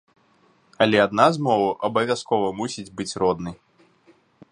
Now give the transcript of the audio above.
Але адна з моваў абавязкова мусіць быць роднай.